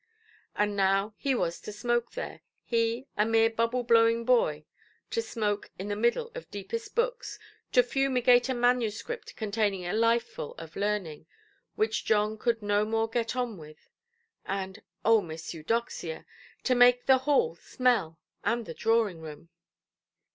And now he was to smoke there—he, a mere bubble–blowing boy, to smoke in the middle of deepest books, to fumigate a manuscript containing a lifeful of learning, which John could no more get on with; and—oh Miss Eudoxia!—to make the hall smell and the drawing–room!